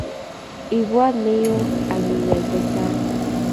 Ibwat ne yo akiyay chechang